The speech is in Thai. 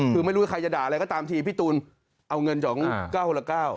คือไม่รู้ใครจะด่าอะไรก็ตามทีพี่ตูนเอาเงิน๒๙คนละ๙